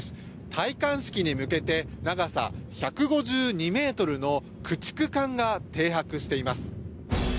戴冠式に向けて、長さ１５２ｍの駆逐艦が停泊しています。